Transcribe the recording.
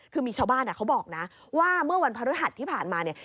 คือมีชาวบ้านเขาบอกนะว่าเมื่อวันพฤหัสที่ผ่านมาเนี่ย